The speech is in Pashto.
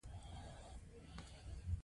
هغه د اتو دېرشو کلونو معتبر شخصيت و.